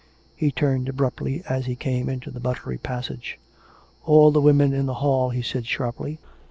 ... He turned abruptly as he came into the buttery passage. " All the women in the hall," he said sharply.